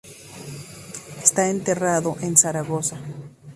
Está enterrado en Zaragoza.